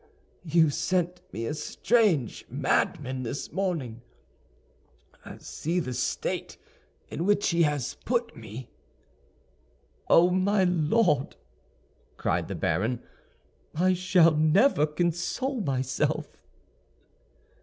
You sent me a strange madman this morning! See the state in which he has put me." "Oh, my Lord!" cried the baron, "I shall never console myself."